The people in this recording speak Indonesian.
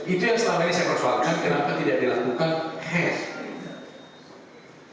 itu yang selama ini saya persoalkan kenapa tidak dilakukan cash